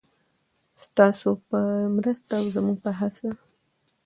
ستاسو په مرسته او زموږ په هڅه.